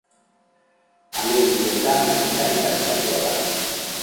Ale helduetan ertza ildaskatua da.